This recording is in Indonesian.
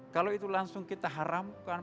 kalau itu langsung kita haramkan